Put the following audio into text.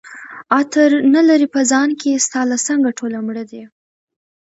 عطر نه لري په ځان کي ستا له څنګه ټوله مړه دي